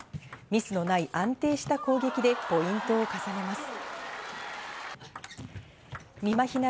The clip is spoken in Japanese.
ミスのない安定した攻撃でポイントを重ねます。